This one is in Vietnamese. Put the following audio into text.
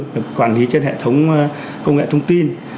được quản lý trên hệ thống công nghệ thông tin